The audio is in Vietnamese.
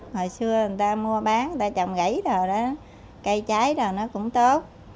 hồi xưa người ta mua bán người ta chồng gãy rồi đó cây cháy rồi nó cũng tốt